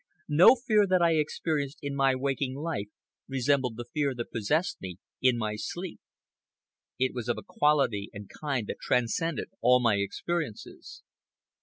No fear that I experienced in my waking life resembled the fear that possessed me in my sleep. It was of a quality and kind that transcended all my experiences.